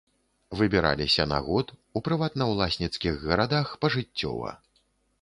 Выбіраліся на год, у прыватнаўласніцкіх гарадах пажыццёва.